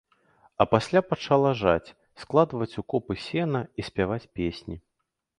А пасля пачала жаць, складваць у копы сена і спяваць песні.